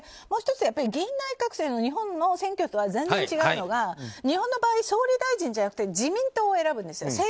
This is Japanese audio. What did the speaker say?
もう１つ議院内閣制の日本の選挙と全然違うのは日本の場合は総理大臣を選ぶんじゃなくて自民党を選ぶんですよ。